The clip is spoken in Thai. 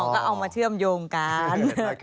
อ๋อก็ออกมาเชื่อมโยงกัน